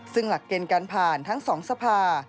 ซึ่งหลักเกณฑ์การผ่านทั้ง๒สภา